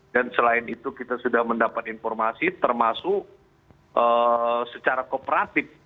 dan selain itu kita sudah mendapat informasi termasuk secara kopratik